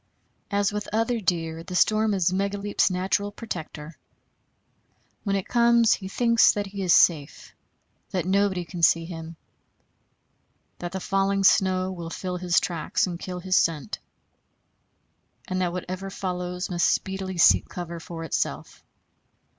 As with other deer, the storm is Megaleep's natural protector. When it comes he thinks that he is safe; that nobody can see him; that the falling snow will fill his tracks and kill his scent; and that whatever follows must speedily seek cover for itself.